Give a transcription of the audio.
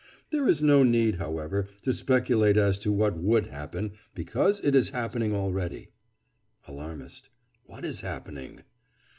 There is no need, however, to speculate as to what would happen, because it is happening already. ALARMIST: What is happening?